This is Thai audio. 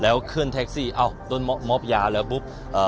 แล้วขึ้นแท็กซี่อ้าวต้นมอบยาแล้วปุ๊บ